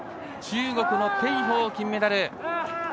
中国の鄭鵬が金メダル。